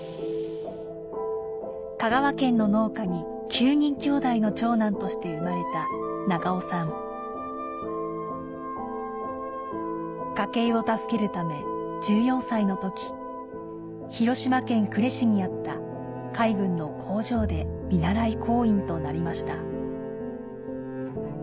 香川県の農家に９人きょうだいの長男として生まれた家計を助けるため１４歳の時広島県呉市にあった海軍の工場で見習い工員となりました